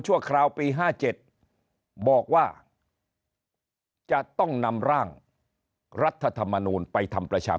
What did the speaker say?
คราวปี๕๗บอกว่าจะต้องนำร่างรัฐธรรมนูลไปทำประชา